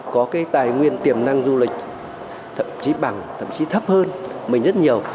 có cái tài nguyên tiềm năng du lịch thậm chí bằng thậm chí thấp hơn mình rất nhiều